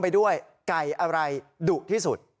ไปด้วยไก่อะไรดุที่สุด